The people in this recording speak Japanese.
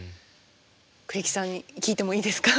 栗木さんに聞いてもいいですか？